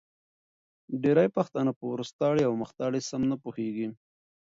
ډېری پښتانه په وروستاړې او مختاړې سم نه پوهېږې